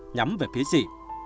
nhắm về phía chị